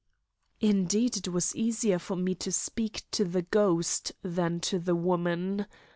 Indeed, it was easier for me to speak to the ghost than to the woman.